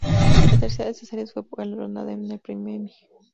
La tercera de estas series fue galardonada con un premio Emmy.